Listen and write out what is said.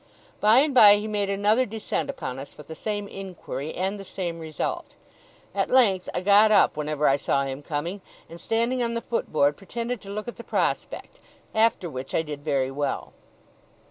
By and by he made another descent upon us with the same inquiry, and the same result. At length, I got up whenever I saw him coming, and standing on the foot board, pretended to look at the prospect; after which I did very well.